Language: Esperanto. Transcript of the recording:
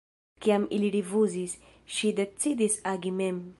Kiam ili rifuzis, ŝi decidis agi mem.